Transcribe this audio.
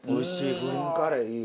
グリーンカレーいい。